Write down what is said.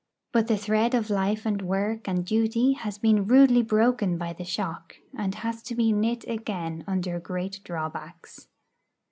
But the thread of life and work and duty has been rudely broken by the shock, and has to be knit again under great drawbacks.